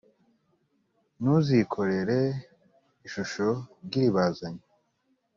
ntuzikorere ishusho ry’iribazanyo